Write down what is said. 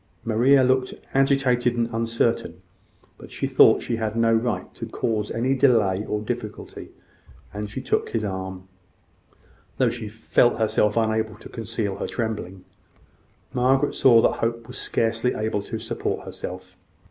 Maria looked agitated and uncertain; but she thought she had no right to cause any delay or difficulty; and she took his arm, though she felt herself unable to conceal her trembling. Hope saw that Margaret was scarcely able to support herself.